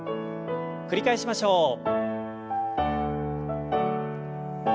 繰り返しましょう。